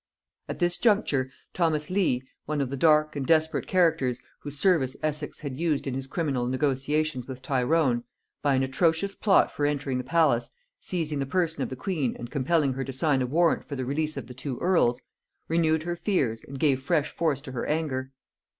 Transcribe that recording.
At this juncture Thomas Leigh, one of the dark and desperate characters whose service Essex had used in his criminal negotiations with Tyrone, by an atrocious plot for entering the palace, seizing the person of the queen and compelling her to sign a warrant for the release of the two earls, renewed her fears and gave fresh force to her anger.